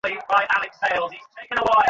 তুমি খবরের কাগজ এখন বার করতে লেগে যাও।